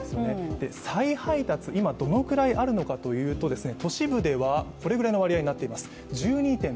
再配達、今どのくらいあるのかというと都市部ではこれぐらいの割合になっています。